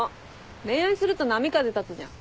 恋愛すると波風立つじゃん。